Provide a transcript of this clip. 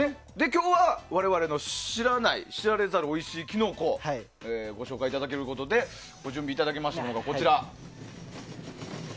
今日は、我々の知らない知られざるおいしいキノコをご紹介いただけるということでご準備いただきましたのがこちら。